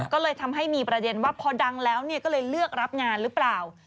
ก็เลยทำให้มีประเด็นว่าพอดังแล้วก็เลยเลือกรับงานหรือเปล่า